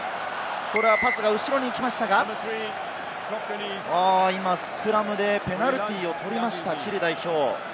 これはパスが後ろに行きましたが、今、スクラムでペナルティーを取りました、チリ代表。